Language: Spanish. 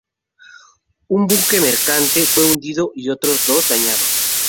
Un buque mercante fue hundido y otros dos dañados.